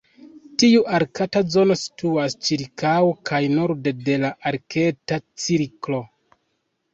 Tiu arkta zono situas ĉirkaŭ kaj norde de la Arkta Cirklo.